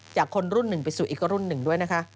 คนรุ่นหนึ่งไปสู่อีกรุ่นหนึ่งด้วยนะคะ